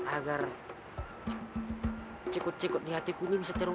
agar cikut cikut di hatiku ini bisa terwet